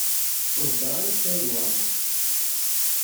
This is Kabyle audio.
Ur heddeṛ ara i Saɛid Waɛmaṛ.